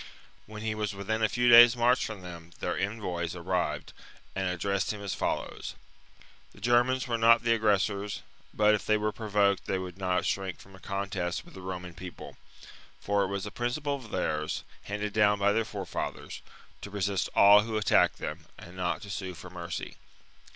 When he was within a few days' march from them, their envoys arrived, and addressed him as follows :— the Germans were not the aggres sors, but, if they were provoked, they would not shrink from a contest with the Roman People ; for it was a principle of theirs, handed down by their forefathers, to resist all who attacked them, and not to sue for mercy.